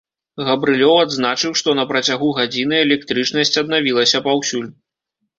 Габрылёў адзначыў, што на працягу гадзіны электрычнасць аднавілася паўсюль.